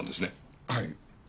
はい。